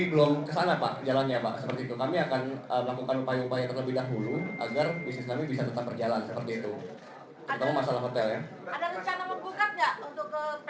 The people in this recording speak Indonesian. dimohon support nya dari rekan rekan sekalian supaya bersama sama untuk memfasilitasi melihat memberikan berita yang berimbang di media seperti itu